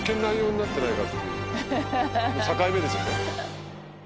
境目ですよね。